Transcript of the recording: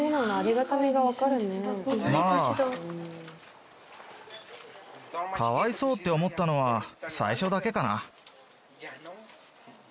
まあかわいそうって思ったのは最初だけかな。